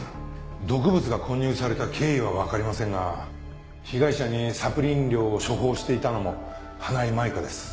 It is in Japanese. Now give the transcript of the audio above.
毒物が混入された経緯はわかりませんが被害者にサプリ飲料を処方していたのも花井舞香です。